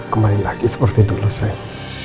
kembali lagi seperti dulu saya